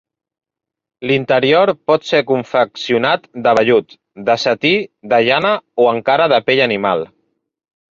L'interior pot ser confeccionat de vellut, de setí, de llana o encara de pell animal.